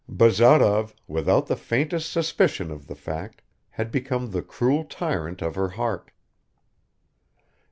Bazarov, without the faintest suspicion of the fact, had become the "cruel tyrant" of her heart.